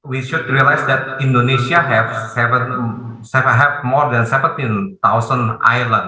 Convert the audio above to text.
kita harus menyadari bahwa indonesia memiliki lebih dari tujuh belas pulau